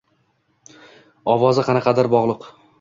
Ovozi qanaqadir boʻgʻiq